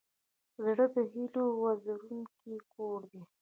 زړه د هيلو د وزرونو کور دی.